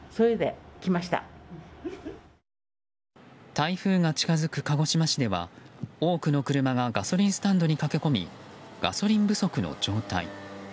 台風が近づく鹿児島市では多くの車がガソリンスタンドに駆け込みガソリン不足の状態。